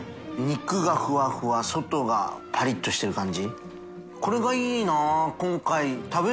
ふわふわ外がパリッとしてる感じ？